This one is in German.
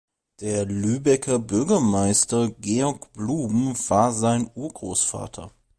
Der Lübecker Bürgermeister Georg Blohm war sein Urgroßvater.